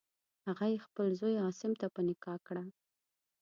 هغه یې خپل زوی عاصم ته په نکاح کړه.